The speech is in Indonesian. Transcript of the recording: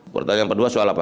pertanyaan kedua soal apa